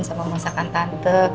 sama masakan tante